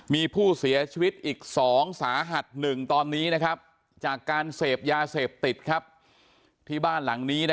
มีผู้เสียชีวิตอีก๒สาหัส๑ตอนนี้จากการเสพยาเสพติดที่บ้านหลังนี้